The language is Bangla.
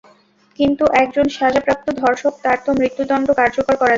কিন্তু একজন সাজাপ্রাপ্ত ধর্ষক তার তো মৃত্যুদন্ড কার্যকর করা যায়।